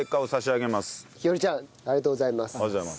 ちゃんありがとうございます。